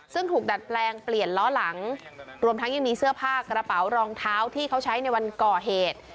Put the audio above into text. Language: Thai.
ซึ่งถูกดัดแปลงเปลี่ยนล้อหลังรวมทั้งยังมีเสื้อผ้ากระเป๋ารองเท้าที่เขาใช้ในวันก่อเหตุ